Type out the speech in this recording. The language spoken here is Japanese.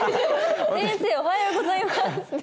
「先生おはようございます」って。